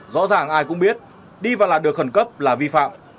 rõ ràng ai cũng biết đi vào làn đường khẩn cấp là vi phạm